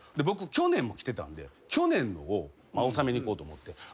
僕去年も来てたんで去年のを納めに行こうと思って。